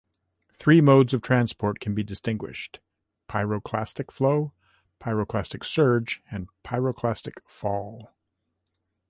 Three modes of transport can be distinguished: pyroclastic flow, pyroclastic surge, and pyroclastic fall.